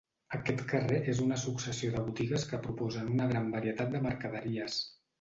Aquest carrer és una successió de botigues que proposen una gran varietat de mercaderies.